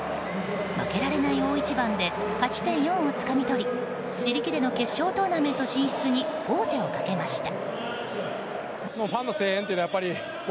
負けられない大一番で勝ち点４をつかみ取り自力での決勝トーナメント進出に王手をかけました。